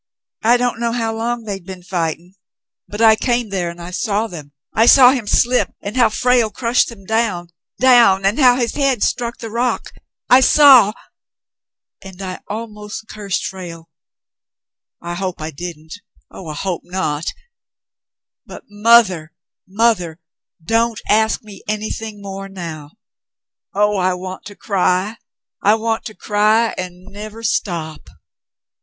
I don't know how long they'd been fighting, but I came there and I saw them. I saw him slip and how Frale crushed him down — down — and his head struck the rock. I saw — and I almost cursed Frale. I hope I didn't — oh, I hope not ! But mother, mother ! Don't ask me anything more now. Oh, I want to cry ! I want to cry and never stop."